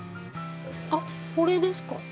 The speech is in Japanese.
あこれですか？